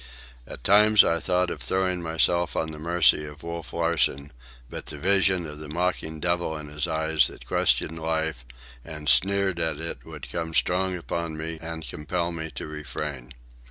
At times I thought of throwing myself on the mercy of Wolf Larsen, but the vision of the mocking devil in his eyes that questioned life and sneered at it would come strong upon me and compel me to refrain.